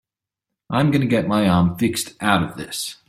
I'm gonna get my arm fixed out of this.